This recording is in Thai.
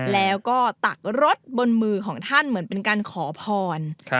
แล้วก็ตักรดต่อมือของท่านเหมือนผ้าขอพอน